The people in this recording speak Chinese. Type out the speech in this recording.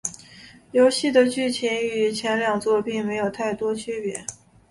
游戏的剧情与前两作并没有太多区别。